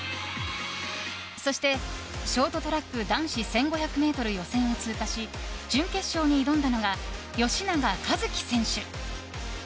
そして、ショートトラック男子１５００ｍ予選を通過し準決勝に挑んだのが吉永一貴選手。